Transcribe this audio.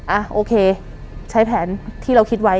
อ่ะโอเคใช้แผนที่เราคิดไว้